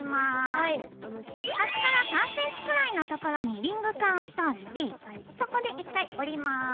端から３ｃｍくらいのところにリングカンを通してそこで１回折ります。